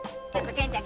源ちゃん。